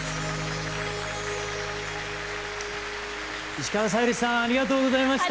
石川さゆりさんありがとうございました。